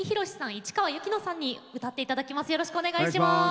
市川由紀乃さんに歌っていたきます。